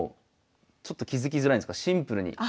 ちょっと気付きづらいんですがシンプルに。